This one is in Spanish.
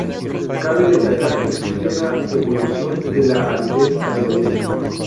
Cabe destacar que existe una evolución de la aridez hacia el Este.